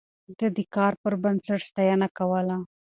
ده د کار پر بنسټ ستاينه کوله.